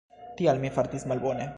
Tial mi fartis malbone.